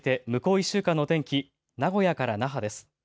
１週間の天気、名古屋から那覇です。